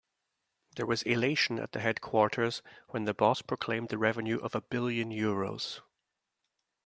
There was elation at the headquarters when the boss proclaimed the revenue of a billion euros.